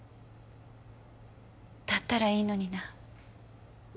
だったらいいのにな